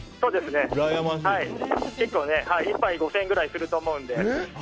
１杯５０００円くらいすると思うので。